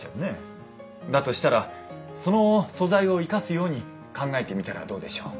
だとしたらその素材を生かすように考えてみたらどうでしょう？